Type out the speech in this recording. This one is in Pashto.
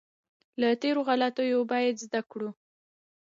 له تېرو غلطیو باید زده کړو.